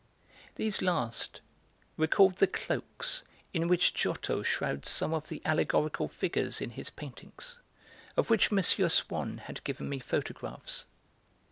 These last recalled the cloaks in which Giotto shrouds some of the allegorical figures in his paintings, of which M. Swann had given me photographs.